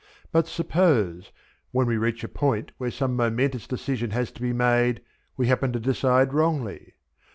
But suppose, when we reach a point where some momentous decision has to be made, we happen to decide wrongly?